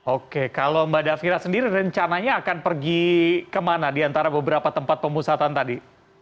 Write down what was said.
oke kalau mbak davira sendiri rencananya akan pergi kemana di antara beberapa tempat pemusatan tadi